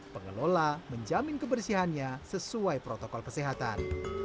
pengelola menjamin kebersihannya sesuai protokol kesehatan